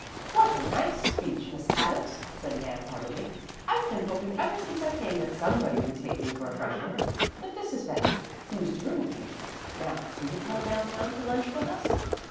"What a nice speech, Miss Adams!" said Nan heartily. "I've been hoping ever since I came that somebody would take me for a freshman. But this is Betty, who's to room with you. Now will you come down town to lunch with us?"